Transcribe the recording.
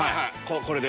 これで。